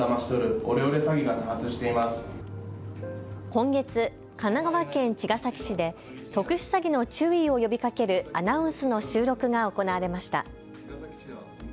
今月、神奈川県茅ヶ崎市で特殊詐欺の注意を呼びかけるアナウンスの収録が行われました。